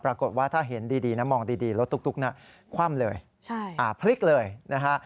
ปรากฏว่าถ้าเห็นดีนะมองดีรถตุ๊กน่ะคว่ำเลยพลิกเลยนะฮะ